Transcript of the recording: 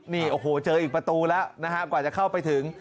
นี่โอ้โหเจออีกประตูแล้วนะฮะกว่าจะเข้าไปถึง